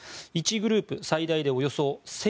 １グループ最大でおよそ１０００人。